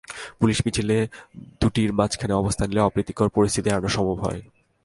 Police মিছিল দুটির মাঝখানে অবস্থান নিলে অপ্রীতিকর পরিস্থিতি এড়ানো সম্ভব হয়।